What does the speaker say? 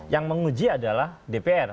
yang menguji adalah dpr